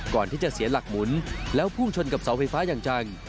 ก่อนที่จะเสียหลักหมุนแล้วพุ่งชนกับเสาไฟฟ้าอย่างจัง